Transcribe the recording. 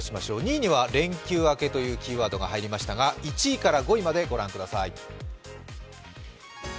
２位には連休明けというキーワードが入りましたが１位から５位までご覧ください。